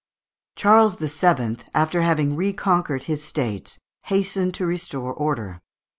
Charles VII, after having reconquered his states, hastened to restore order.